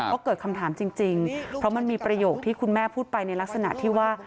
ก็เกิดคำถามจริงเพราะมันมีประโยคที่คุณแม่พูดไปในลักษณะที่ว่า